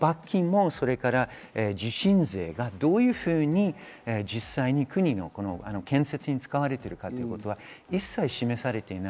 その罰金も地震税がどういうふうに実際に国の建設に使われているかということは一切、示されていない。